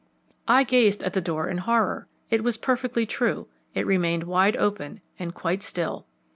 I gazed at the door in horror; it was perfectly true, it remained wide open, and quite still.